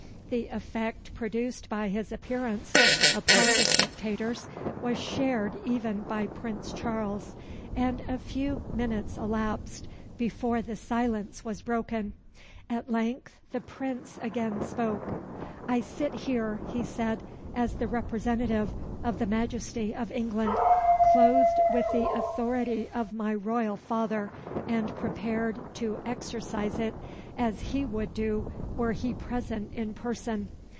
The effect produced by his appearance upon the spectators was shared even by Prince Charles, and a few minutes elapsed before the silence was broken. At length, the Prince again spoke: "I sit here," he said, "as the representative of the Majesty of England clothed with the authority of my royal father, and prepared to exercise it, as he would do were he present in person.